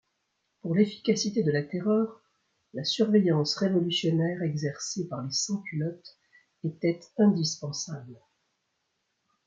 Pour l’efficacité de la Terreur, la surveillance révolutionnaire exercée par les sans-culottes était indispensable.